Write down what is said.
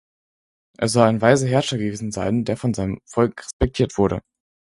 Er soll ein weiser Herrscher gewesen sein, der von seinem Volk respektiert wurde.